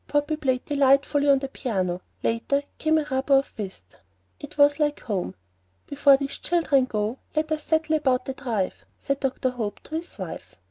"Poppy" played delightfully on the piano; later came a rubber of whist. It was like home. "Before these children go, let us settle about the drive," said Dr. Hope to his wife.